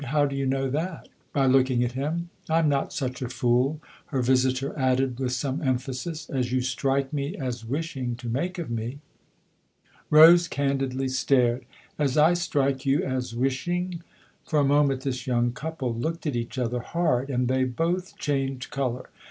How do you know that ?" "By looking at him. I'm not such a fool/' her visitor added with some emphasis, "as you strike me as wishing to make of me." Rose candidly stared. " As I strike you as wish ing ?" For a moment this young couple looked at each other hard, and they both changed colour.